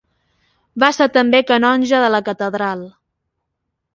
Va ser també canonge de la Catedral.